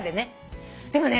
でもね